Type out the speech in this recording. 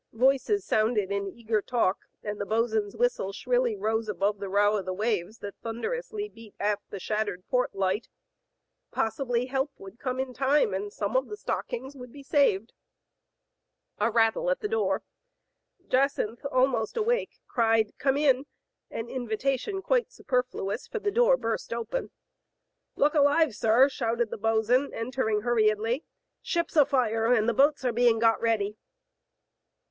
Voices sounded in eager talk, and the bos*n*s whistle shrilly rose above the row of the waves that thunderously beat aft the shattered port light. Possibly help would come in time and some of the stockings Digitized by Google H, W. LUCY. 2SS would be saved. A rattle at the door. Jacynth, almost awake, cried "Come in,*' an invitation quite superfluous, for the door was burst open. Look alive, sir!" shouted the bos'n, entering hurriedly. "Ship's afire, and the boats are being got ready